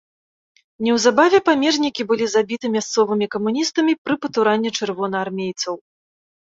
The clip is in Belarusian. Неўзабаве памежнікі былі забіты мясцовымі камуністамі пры патуранні чырвонаармейцаў.